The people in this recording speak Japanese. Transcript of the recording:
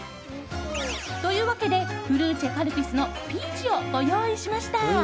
というわけでフルーチェ×カルピスのピーチをご用意しました。